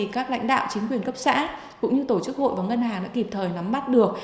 các lãnh đạo chính quyền cấp xã cũng như tổ chức hội và ngân hàng đã kịp thời nắm bắt được